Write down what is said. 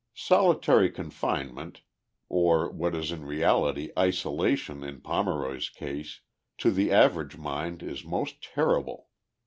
Solitary confinement, or what is in reality isolation in Pome roy's case, to the average mind is most terrible.